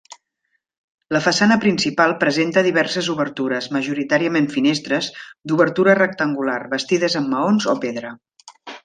La façana principal presenta diverses obertures, majoritàriament finestres d'obertura rectangular, bastides amb maons o pedra.